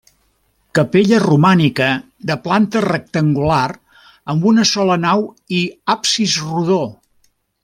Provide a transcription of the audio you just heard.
Capella romànica de planta rectangular, amb una sola nau i absis rodó.